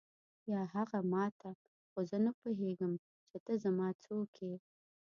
یا هغه ما ته خو زه نه پوهېږم چې ته زما څوک یې.